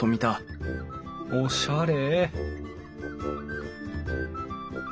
おしゃれ！